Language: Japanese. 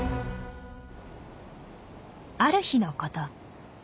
ある日のこと。